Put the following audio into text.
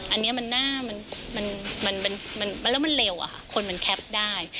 อันนี้มันหน้ามันแล้วมันเร็วอะค่ะคนมันแคปได้